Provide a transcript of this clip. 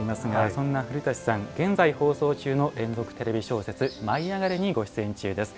そんな古舘さん、現在放送中の連続テレビ小説「舞いあがれ！」にご出演中です。